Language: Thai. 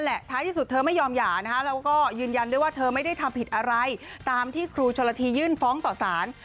ท้ายที่สุดเธอไม่ยอมหย่านะคะแล้วก็ยืนยันด้วยว่าเธอไม่ได้ทำผิดอะไรตามที่ครูชนละทียื่นฟ้องต่อสาร